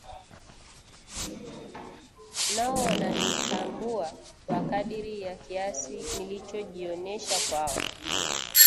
Nao wananitambua kwa kadiri ya kiasi nilichojionesha kwao